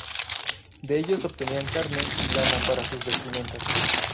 De ellos obtenían carne y lana para sus vestimentas.